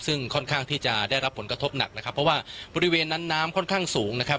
ซึ่งค่อนข้างที่จะได้รับผลกระทบหนักนะครับเพราะว่าบริเวณนั้นน้ำค่อนข้างสูงนะครับ